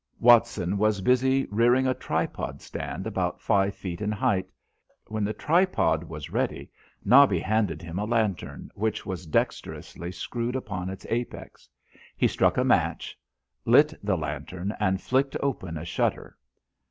Watson was busy rearing a tripod stand about five feet in height. When the tripod was ready Nobby handed him a lantern, which was dexterously screwed upon its apex. He struck a match, lit the lantern and flicked open a shutter.